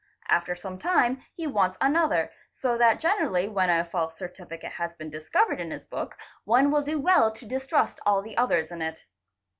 After some time he wants another, so that generally when a false certificate has been discovered in his book one will do well to distrust all the others init.